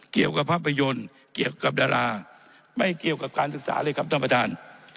เกี่ยวกับภาพยนตร์เกี่ยวกับดาราไม่เกี่ยวกับการศึกษาเลยครับท่านประธาน